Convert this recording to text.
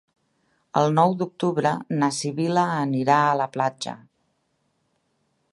El nou d'octubre na Sibil·la anirà a la platja.